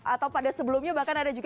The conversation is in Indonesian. atau pada sebelumnya bahkan ada juga